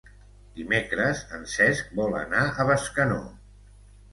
Dimecres en Cesc vol anar a Bescanó.